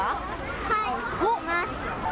はい。